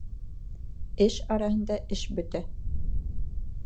Эш араһында эш бөтә.